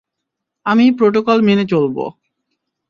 আমি প্রোটোকল মেনে চলব।